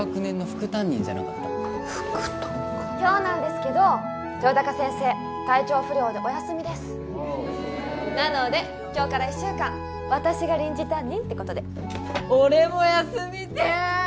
副担か今日なんですけど豊高先生体調不良でお休みですえーなので今日から一週間私が臨時担任ってことで俺も休みてぇー！